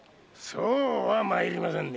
そうは参りませんね。